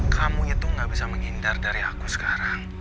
kamu itu gak bisa menghindar dari aku sekarang